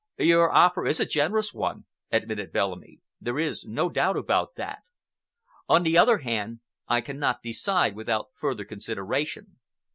"Your offer is a generous one," admitted Bellamy, "there is no doubt about that. On the other hand, I cannot decide without further consideration.